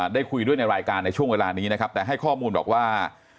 ได้คุยด้วยในรายการในช่วงเวลานี้นะครับแต่ให้ข้อมูลบอกว่า